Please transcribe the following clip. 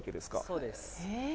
そうです。